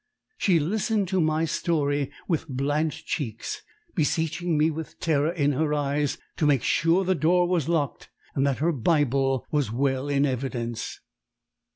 She listened to my story with blanched cheeks, beseeching me with terror in her eyes to make sure the door was locked and that her Bible was well in evidence.